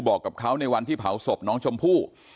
บอกกับเขาในวันที่เผาศพน้องชมพู่